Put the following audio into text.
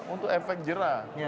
untuk efek jerah